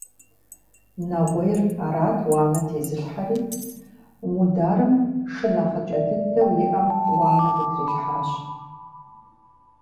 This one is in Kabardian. Нэгъуейр арат уанэ тезылъхьэри, Мударым шы нэхъыкӀэ дыдэу иӀэм уанэ хутрилъхьащ.